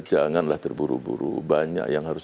janganlah terburu buru banyak yang harus